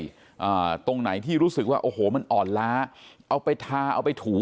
อ่าตรงไหนที่รู้สึกว่าโอ้โหมันอ่อนล้าเอาไปทาเอาไปถู